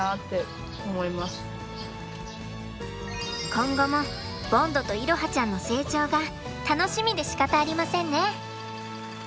今後もボンドと彩羽ちゃんの成長が楽しみでしかたありませんね。